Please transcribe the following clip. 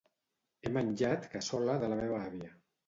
He menjat cassola de la meva àvia.